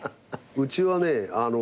うちはね